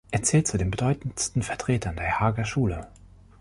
Er zählt zu den bedeutendsten Vertretern der Haager Schule.